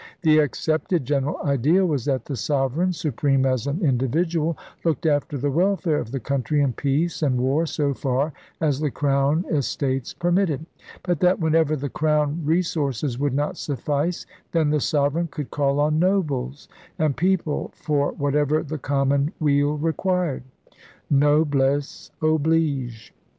The accepted general idea was that the sovereign, supreme as an individual, looked after the welfare of the country in peace and war so far as the Crown es tates permitted; but that whenever the Crown resources would not suffice then the sovereign could call on nobles and people for whatever the common weal required. Noblesse oblige.